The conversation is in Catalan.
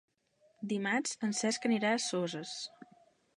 Dimarts en Cesc anirà a Soses.